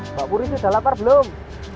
mbak puri sudah lapar belum